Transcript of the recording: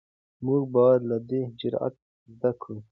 موږ باید له ده جرئت زده کړو.